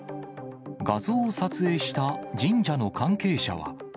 画像を撮影した、神社の関係者は。